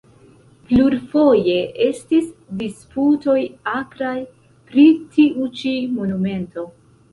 Plurfoje estis disputoj akraj pri tiu ĉi monumento.